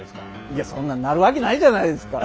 いやそんなんなるわけないじゃないですか。